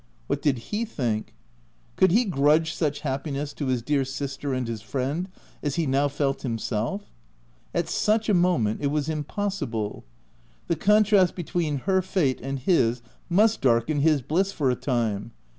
What did he think ? Could he grudge such happiness to his dear sister and his friend as he now felt himself? At such a moment it was impossible. The contrast between her fate and his must darken his bliss for a time.